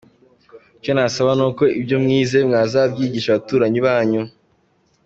Icyo nabasaba nuko ibyo mwize nwazabyigisha abaturanyi banyu”.